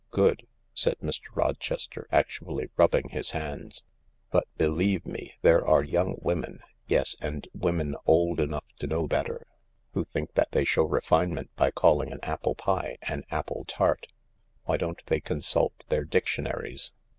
" Good," said Mr, Rochester, actually rubbing his hands* " but, believe me, thereare young women — yes, and women old enough to know better— who think that they show refinement by calling an apple pie an apple tart. Why don't they con sult their dictionaries